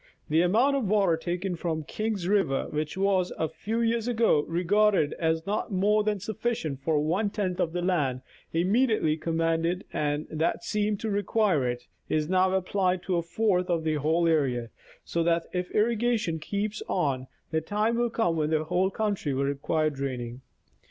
The amount of water taken from King's river which was, a few years ago, regarded as not more than sufiicient for one tenth of the land immediately commanded and that seemed to require it, is now applied to a fourth of the whole area ; so that if irrigation keeps on, the time will come when the whole country will require draining.